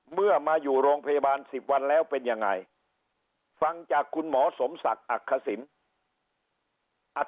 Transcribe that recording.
เมื่อมาอยู่โรงพยาบาล๑๐วันแล้วเป็นยังไงฟังจากคุณหมอสมศักดิ์อักษิณ